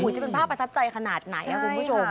จะเป็นภาพประทับใจขนาดไหนคุณผู้ชม